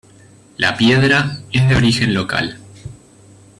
La piedra es de origen local.